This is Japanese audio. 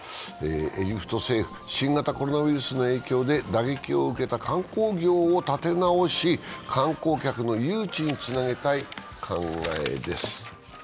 エジプト政府、新型コロナウイルスの影響で打撃を受けた観光業を立て直し観光客の誘致につなげたい考えです。